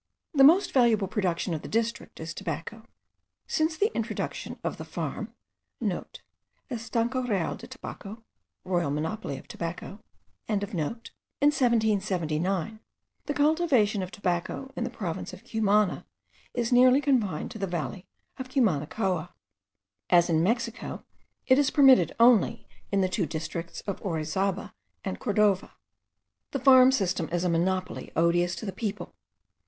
The most valuable production of the district is tobacco. Since the introduction of the farm* (* Estanco real de tabaco, royal monopoly of tobacco.) in 1779, the cultivation of tobacco in the province of Cumana is nearly confined to the valley of Cumanacoa; as in Mexico it is permitted only in the two districts of Orizaba and Cordova. The farm system is a monopoly odious to the people.